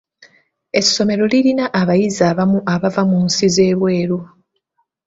Essomero lirina abayizi abamu abava mu nsi z'ebweru.